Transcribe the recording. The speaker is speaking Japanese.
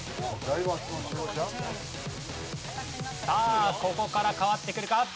さあここから変わってくるか？